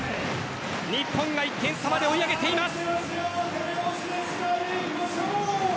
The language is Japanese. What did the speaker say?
日本が１点差まで追い上げています。